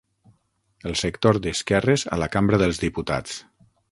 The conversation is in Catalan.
El sector d'esquerres a la cambra dels diputats.